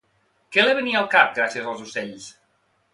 Què li venia al cap gràcies als ocells?